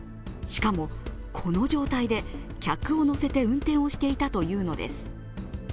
しかも、この状態で客を乗せて運転していたというのです。